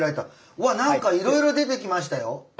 うわ何かいろいろ出てきましたよ。